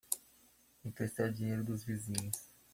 Emprestar dinheiro dos vizinhos